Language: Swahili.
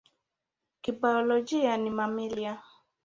Kibiolojia ni mamalia.